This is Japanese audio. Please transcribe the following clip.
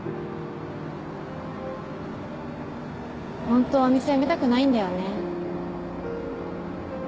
ほんとはお店やめたくないんだよね。